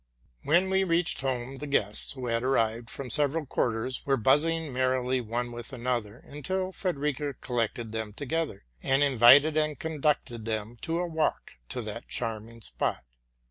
When we reached home, the guests, who had arrived from several quarters, were buzzing merrily one with another, until Frederica collected them together, and invited and conducted them to a walk to that charming spot.